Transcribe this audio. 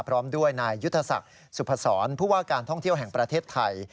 พร้อมด้วยนายยุทธศักดิ์สุพศรผู้ว่าการท่องเที่ยวแห่งประเทศไทย